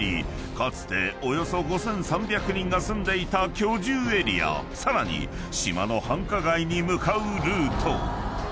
かつておよそ５，３００人が住んでいた居住エリアさらに島の繁華街に向かうルート］